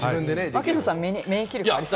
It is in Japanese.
槙野さん、免疫力ありそう。